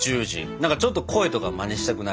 何かちょっと声とかマネしたくなる感じ。